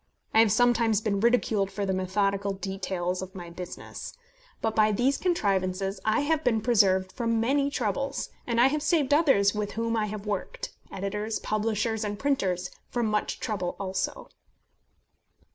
I have sometimes been ridiculed for the methodical details of my business. But by these contrivances I have been preserved from many troubles; and I have saved others with whom I have worked editors, publishers, and printers from much trouble also.